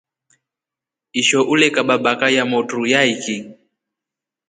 Isho ulekaba baka yamotru yaiki.